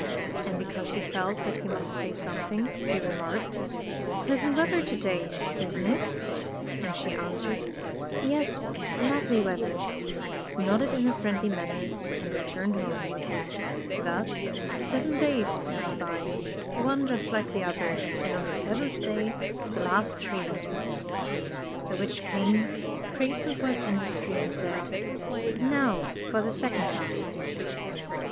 And because he felt that he must say something, he remarked, " Pleasant weather to day, isn't it?" And she answered: ''Yes, lovely weather," nodded in a friendly manner and returned home. Thus seven days passed by, one just like the other, and on the seventh day the last tree was felled. The witch came, praised him for his industry and said, "Now for the second task."